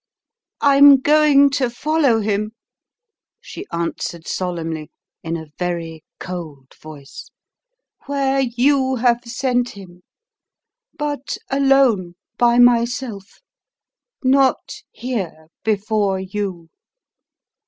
"I'm going to follow him," she answered solemnly, in a very cold voice, "where YOU have sent him. But alone by myself: not here, before you."